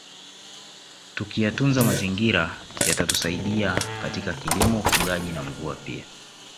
Tukiyatunza mazingira yatatusaidia katika kilimo ufugaji na mvua pia